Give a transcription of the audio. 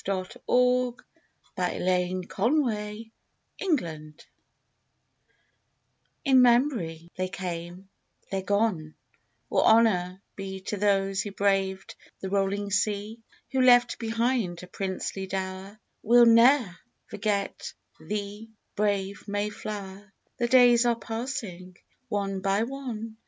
Our working men LIFE WAVES 33 THE MAYFLOWER In Memory They came, they're gone, all honor be To those who braved the rolling sea. Who left behind a princely dower, We'll ne'er forget thee, brave Mayflower. The days are passing, one by one.